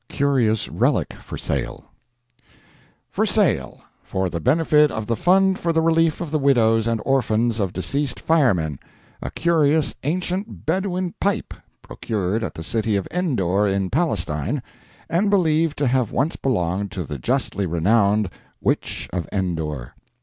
CURIOUS RELIC FOR SALE "For sale, for the benefit of the Fund for the Relief of the Widows and Orphans of Deceased Firemen, a Curious Ancient Bedouin Pipe, procured at the city of Endor in Palestine, and believed to have once belonged to the justly renowned Witch of Endor.